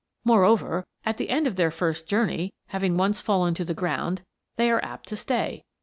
Moreover, at the end of their first journey, having once fallen to the ground, they are apt to stay.